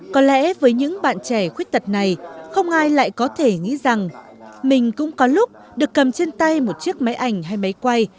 có lẽ với những bạn trẻ khuyết tật này không ai lại có thể nghĩ rằng mình cũng có lúc được cầm trên tay một chiếc máy ảnh hay máy quay